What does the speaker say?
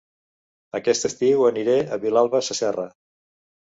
Aquest estiu aniré a Vilalba Sasserra